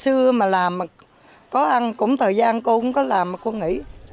chưa mà làm mà có ăn cũng thời gian cô cũng có làm mà cô nghỉ